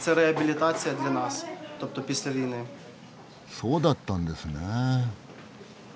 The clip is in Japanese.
そうだったんですねえ。